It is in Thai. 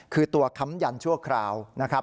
คือตัวค้ำยันชั่วคราวนะครับ